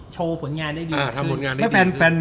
โชว์ผลงานได้ดีขึ้น